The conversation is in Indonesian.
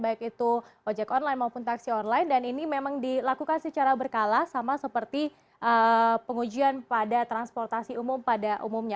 baik itu ojek online maupun taksi online dan ini memang dilakukan secara berkala sama seperti pengujian pada transportasi umum pada umumnya